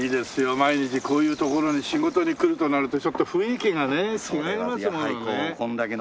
毎日こういう所に仕事に来るとなるとちょっと雰囲気がね違いますものね。